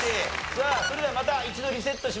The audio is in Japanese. さあそれではまた一度リセットします。